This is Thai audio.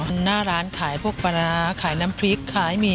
หน้าร้านขายพวกปลาร้าขายน้ำพริกขายหมี่